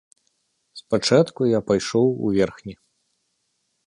Спачатку я пайшоў у верхні.